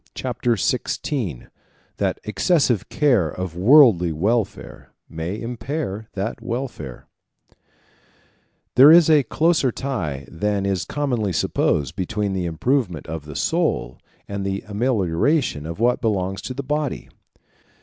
Chapter XVI: That Excessive Care Of Worldly Welfare May Impair That Welfare There is a closer tie than is commonly supposed between the improvement of the soul and the amelioration of what belongs to the body.